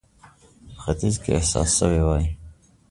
په ختیځ کې احساس سوې وای.